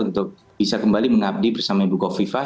untuk bisa kembali mengabdi bersama ibu kofifah